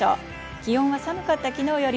気温は寒かった昨日より